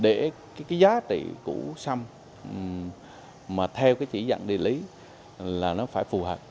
để cái giá trị của xâm mà theo cái chỉ dẫn địa lý là nó phải phù hợp